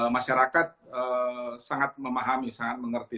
masyarakat sangat memahami sangat mengerti